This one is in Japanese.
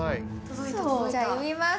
じゃあ読みます。